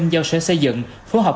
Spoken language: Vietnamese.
giao sở xây dựng phối hợp